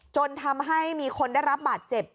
จนทำให้มีคนได้รับบาดเจ็บ